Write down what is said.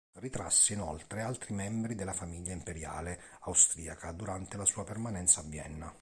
Ritrasse inoltre altri membri della famiglia imperiale austriaca durante la sua permanenza a Vienna.